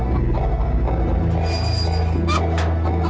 kau yang selalu memusahi ayahku